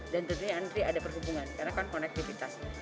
dan tentunya negeri ada perhubungan karena kan konektivitas